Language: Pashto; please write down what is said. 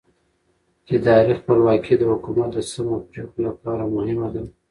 اداري خپلواکي د حکومت د سمو پرېکړو لپاره مهمه ده